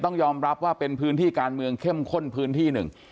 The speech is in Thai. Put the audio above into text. ต้องยอมรับว่าเป็นพื้นที่การเมืองเข้มข้นพื้นที่หนึ่ง